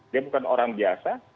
dia bukan orang biasa